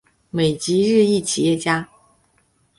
美籍日裔企业家。